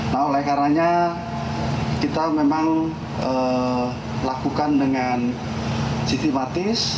nah oleh karanya kita memang lakukan dengan sistematis